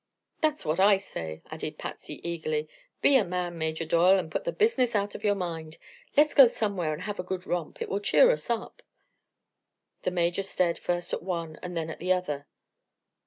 "That's what I say," added Patsy eagerly. "Be a man, Major Doyle, and put the business out of your mind. Let's go somewhere and have a good romp. It will cheer us up." The Major stared first at one and then at the other.